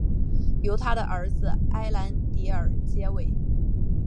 由他的儿子埃兰迪尔接位。